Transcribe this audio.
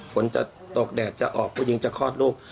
ฝนจะตกแดดจะออกผู้หญิงจะคลอดลูก